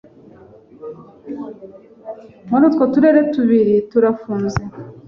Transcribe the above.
muri utwo turere tubiri turafunze